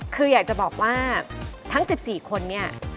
คืออยากจะบอกว่าทั้ง๑๔คนเนี่ย